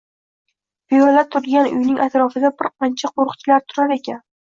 Piyola turgan uyning atrofida bir qancha qo‘riqchilar turar ekan